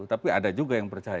tapi ada juga yang percaya